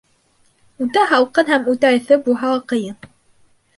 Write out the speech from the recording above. Үтә һалҡын һәм үтә эҫе булһа ла ҡыйын.